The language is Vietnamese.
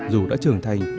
dù đã trưởng thành